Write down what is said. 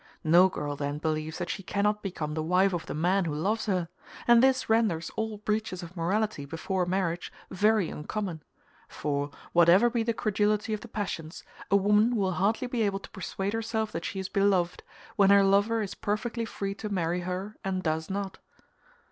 No girl then believes that she cannot become the wife of the man who loves her; and this renders all breaches of morality before marriage very uncommon: for, whatever be the credulity of the passions, a woman will hardly be able to persuade herself that she is beloved, when her lover is perfectly free to marry her and does not.